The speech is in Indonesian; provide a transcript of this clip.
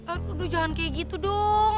aduh jangan kayak gitu dong